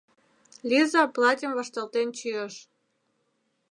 Лиза платьым вашталтен чийыш.